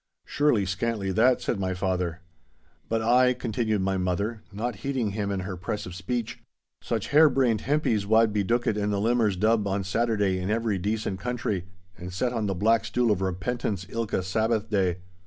'Surely scantly that!' said my father. 'But ay,' continued my mother, not heeding him in her press of speech, 'such hair brained hempies wad be dookit in the Limmers' Dub on Saturday in every decent country, and set on the black stool of repentance ilka Sabbath day.